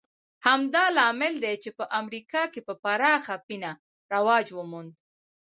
همدا لامل دی چې په امریکا کې په پراخه پینه رواج وموند